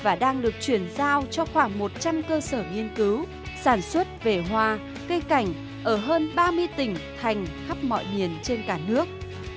các sống hoa được chuyển giao cho khoảng một trăm linh cơ sở nghiên cứu sản xuất vẻ hoa cây cảnh ở hơn ba mươi tỉnh thành khắp mọi miền trên cả nước